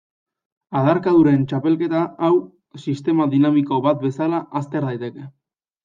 Adarkaduren txapelketa hau sistema dinamiko bat bezala azter daiteke.